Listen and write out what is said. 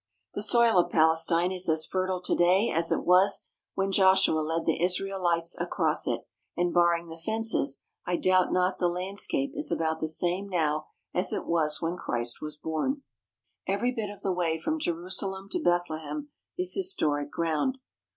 The soil of Palestine is as fertile to day as it was when Joshua led the Israelites across it, and barring the fences, I doubt not the landscape is about the same now as it was when Christ was born. Every bit of the way from Jerusalem to Bethlehem is historic ground.